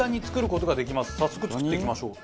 早速作っていきましょう。